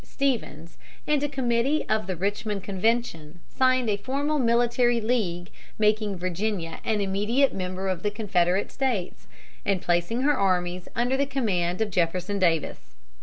Stephens, and a committee of the Richmond convention signed a formal military league making Virginia an immediate member of the Confederate States, and placing her armies under the command of Jefferson Davis.